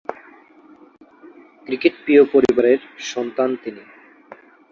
ক্রিকেটপ্রিয় পরিবারের সন্তান তিনি।